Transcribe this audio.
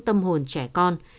tâm hồn trẻ con